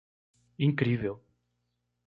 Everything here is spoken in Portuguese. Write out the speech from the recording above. Incrível